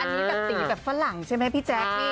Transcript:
อันนี้ตีแบบฟาวหลังใช่ไหมพี่แจ๊ค